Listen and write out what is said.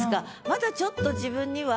まだちょっと自分には。